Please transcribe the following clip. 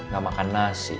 gak makan nasi